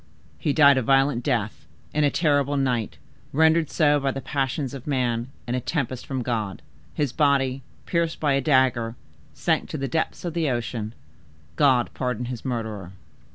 "He died a violent death, in a terrible night, rendered so by the passions of man and a tempest from God. His body, pierced by a dagger, sank to the depths of the ocean. God pardon his murderer!"